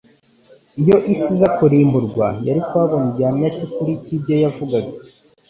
Iyo isi iza kurimburwa} yari kuhabona igihamya cy'ukuri cy'ibyo yavugaga.